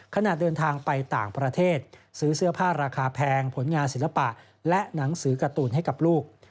ขณะเดินทางไปต่างประเทศซื้อเสื้อผ้าราคาแพงผลงานศิลปะและหนังสือการ์ตูนให้กับลูก